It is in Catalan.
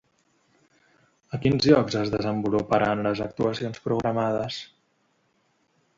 A quins llocs es desenvoluparan les actuacions programades?